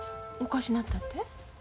おかしなったって？